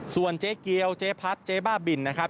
ส่วนเจ๊เกียวเจ๊พัดเจ๊บ้าบินนะครับ